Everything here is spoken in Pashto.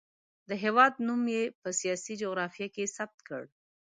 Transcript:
د هېواد نوم یې په سیاسي جغرافیه کې ثبت کړ.